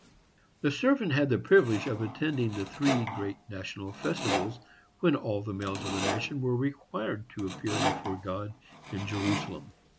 The servant had the privilege of attending the three great national festivals, when all the males of the nation were required to appear before God in Jerusalem.